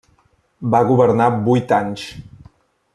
Va governar vuit anys.